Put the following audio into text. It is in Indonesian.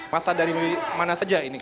masa dari mana saja ini